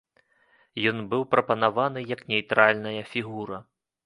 Ён быў прапанаваны як нейтральная фігура.